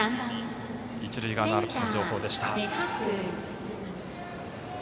一塁側のアルプスの情報でした。